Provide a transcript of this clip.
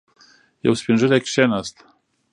يو سپين ږيری کېناست.